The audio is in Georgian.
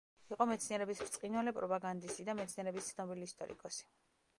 იყო მეცნიერების ბრწყინვალე პროპაგანდისტი და მეცნიერების ცნობილი ისტორიკოსი.